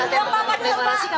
pak kita diundang pak